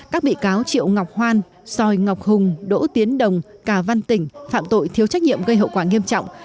các bị cáo triệu ngọc hoan xoài ngọc hùng đỗ tiến đồng cà văn tỉnh phạm tội thiếu trách nhiệm gây hậu quả nghiêm trọng